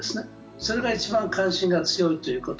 それが一番関心が強いこと。